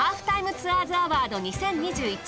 ツアーズアワード２０２１